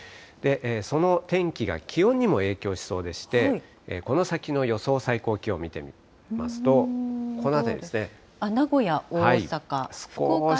その天気が気温にも影響しそうでして、この先の予想最高気温見て名古屋、大阪、福岡辺りは。